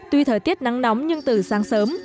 tuy thời tiết nắng nóng nhưng từ sáng sớm